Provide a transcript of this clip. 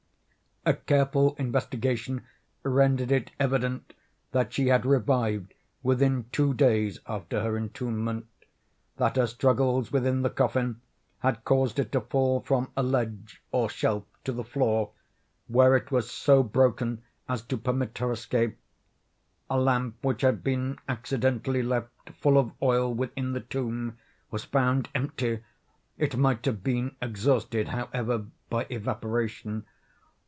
A careful investigation rendered it evident that she had revived within two days after her entombment; that her struggles within the coffin had caused it to fall from a ledge, or shelf to the floor, where it was so broken as to permit her escape. A lamp which had been accidentally left, full of oil, within the tomb, was found empty; it might have been exhausted, however, by evaporation.